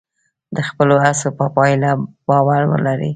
د خپلو هڅو په پایله باور ولرئ.